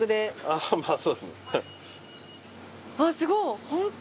あぁすごい！